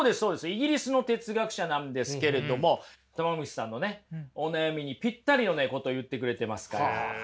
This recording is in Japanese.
イギリスの哲学者なんですけれどもたま虫さんのお悩みにピッタリのこと言ってくれてますから。